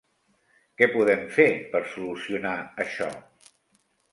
Què podem fer per solucionar això?